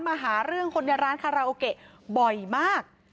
มาหาเรื่องคนในร้านคาราโอเกะบ่อยมาก